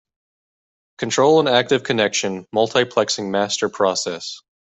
Control an active connection multiplexing master process.